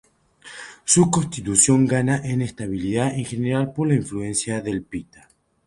Su constitución gana en estabilidad en general por influencia del pitta.